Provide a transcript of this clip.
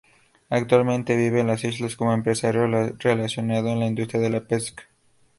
Actualmente vive en las islas como empresario relacionado en la industria de la pesca.